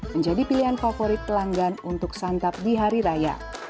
menjadi pilihan favorit pelanggan untuk santap di hari raya